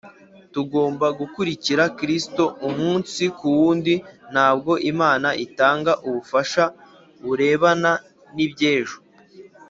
tugomba gukurikira kristo umunsi ku wundi ntabwo imana itanga ubufasha burebana n’iby’ejo